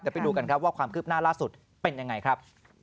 เดี๋ยวไปดูกันครับว่าความคืบหน้าล่าสุดเป็นยังไงครับ